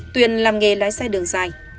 tuyền làm nghề lái xe đường dài